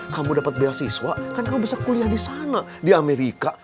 kamu dapat beasiswa kan kamu bisa kuliah di sana di amerika